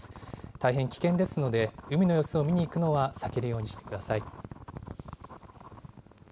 大変危険ですので、海の様子を見に行くのは避けるようにしてください。